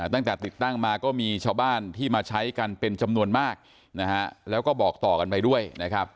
ตั้งแต่ติดตั้งมาก็มีชาวบ้านที่มาใช้กันเป็นจำนวนมากนะฮะแล้วก็บอกต่อกันไปด้วยนะครับ